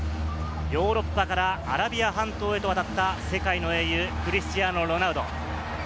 ヨーロッパからアラビア半島へと渡った世界の英雄、クリスティアーノ・ロナウド。